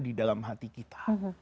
di dalam hati kita